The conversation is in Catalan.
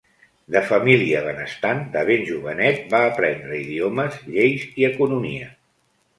De família benestant, de ben jovenet va aprendre idiomes, lleis i economia.